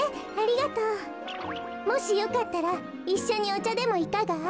もしよかったらいっしょにおちゃでもいかが？